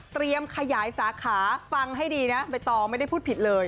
ขยายสาขาฟังให้ดีนะใบตองไม่ได้พูดผิดเลย